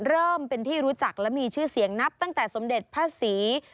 เริ่มเป็นที่รู้จักและมีชื่อเสียงนับตั้งแต่สมเด็จพระศรี